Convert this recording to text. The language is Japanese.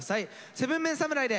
７ＭＥＮ侍で。